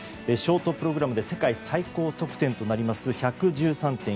ショートプログラムで世界最高得点となります１１３．９７。